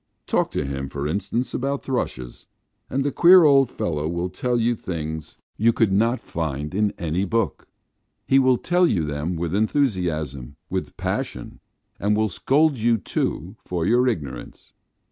Talk to him, for instance, about thrushes, and the queer old fellow will tell you things you could not find in any book. He will tell you them with enthusiasm, with passion, and will scold you too for your ignorance.